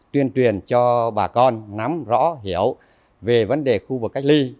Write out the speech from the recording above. tuyên truyền cho bà con nắm rõ hiểu về vấn đề khu vực cách ly